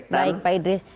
baik pak idris